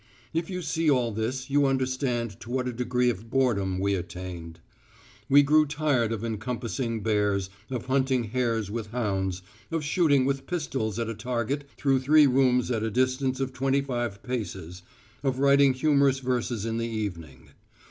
If you see all this you understand to what a degree of boredom we attained. We grew tired of encompassing bears, of hunting hares with hounds, of shooting with pistols at a target through three rooms at a distance of twenty five paces, of writing humorous verses in the evening.